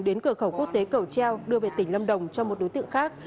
đến cửa khẩu quốc tế cầu treo đưa về tỉnh lâm đồng cho một đối tượng khác